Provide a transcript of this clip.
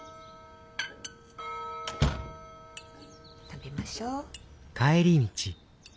食べましょう。